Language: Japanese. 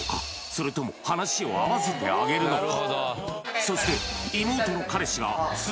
それとも話を合わせてあげるのか？